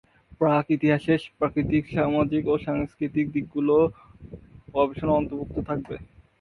প্রাক্ ইতিহাসের প্রাকৃতিক, সামাজিক ও সাংস্কৃতিক দিকগুলিও গবেষণার অন্তর্ভুক্ত থাকবে।